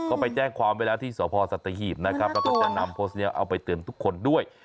เขาไปแจ้งความเวลาที่สตสัตวินิศนาจิปนิตย์แล้วก็เนำโพสต์นี้เอาไปเตือนทุกคนด้วย